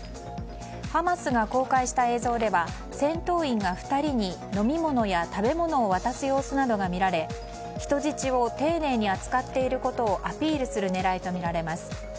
ハマスが公開した映像では戦闘員が２人に飲み物や食べ物を渡す様子などが見られ人質を丁寧に扱っていることをアピールする狙いが見られます。